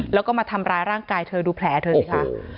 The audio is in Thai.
แล้วก็มาทำร้ายร่างกายเธอดูแผลเธอสิคะ